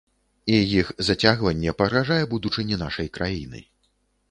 І іх зацягванне пагражае будучыні нашай краіны.